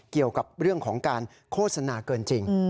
เกี่ยวกับเรื่องของการโฆษณาเกินจริง